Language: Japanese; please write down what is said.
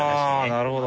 なるほどね。